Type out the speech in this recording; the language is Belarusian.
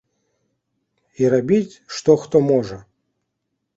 І рабіць што хто можа.